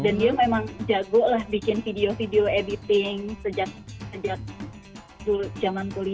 dan dia memang jago lah bikin video video editing sejak zaman kuliah